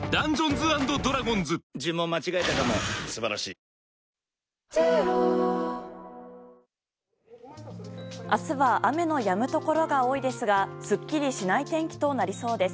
三ツ矢サイダー』明日は雨のやむところが多いですがすっきりしない天気となりそうです。